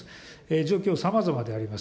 状況、さまざまであります。